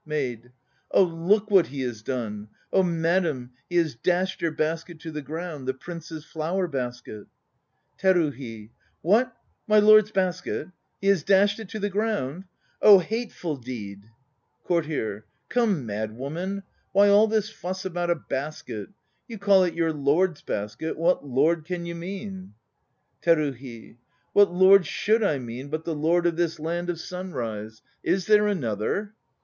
MAID. Oh, look what he has done! madam, he has dashed your basket to the ground, the Prince's flower basket! TERUHI. What! My lord's basket? He has dashed it to the ground? Oh hateful deed! COURTIER. Come, mad woman! Why all this fuss about a basket? You call it your lord's basket; what lord can you mean? TERUHI. What lord should I mean but the lord of this land of Sunrise? Is there another?